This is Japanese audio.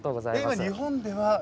今日本では。